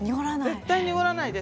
絶対に濁らない。